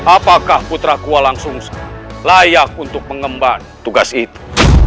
apakah putra ku walang kursa layak untuk mengembang tugas itu